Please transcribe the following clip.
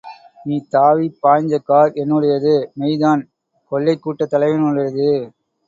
நீ தாவிப் பாய்ஞ்ச கார் என்னுடையது.. மெய்தான், கொள்ளைக் கூட்டத் தலைவனுடையது.